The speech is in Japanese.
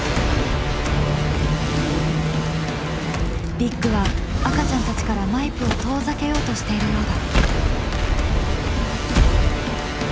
ビッグは赤ちゃんたちからマイプを遠ざけようとしているようだ。